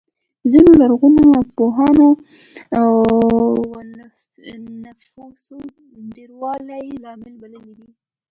ځینو لرغونپوهانو د نفوسو ډېروالی لامل بللی دی.